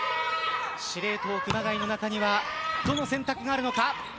司令塔・熊谷の中にはどの選択があるのか。